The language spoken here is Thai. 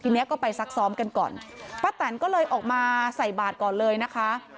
ทีนี้ก็ไปซักซ้อมกันก่อนป้าแตนก็เลยออกมาใส่บาทก่อนเลยนะคะ